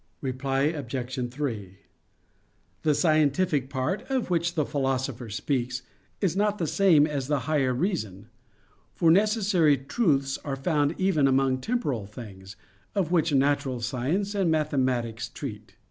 Reply Obj. 3: The "scientific" part, of which the Philosopher speaks, is not the same as the higher reason: for necessary truths are found even among temporal things, of which natural science and mathematics treat.